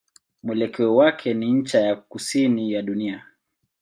Mwelekeo wake ni ncha ya kusini ya dunia.